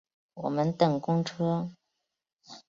我们等公车